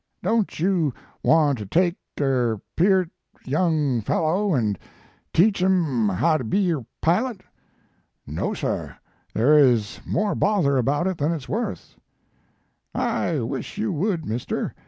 Don t you want to take er piert young fellow and teach iin how to be er pilot? " No sir; there is more bother about it than it s worth/ " I wish you would, mister.